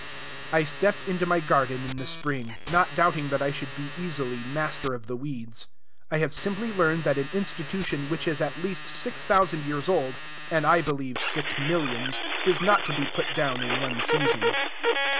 I stepped into my garden in the spring, not doubting that I should be easily master of the weeds. I have simply learned that an institution which is at least six thousand years old, and I believe six millions, is not to be put down in one season.